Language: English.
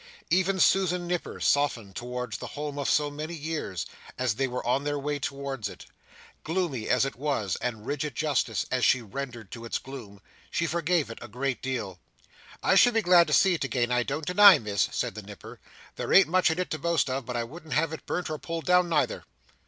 Even Susan Nipper softened towards the home of so many years, as they were on their way towards it. Gloomy as it was, and rigid justice as she rendered to its gloom, she forgave it a great deal. "I shall be glad to see it again, I don't deny, Miss," said the Nipper. "There ain't much in it to boast of, but I wouldn't have it burnt or pulled down, neither!"